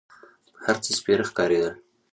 هر څه سپېره ښکارېدل.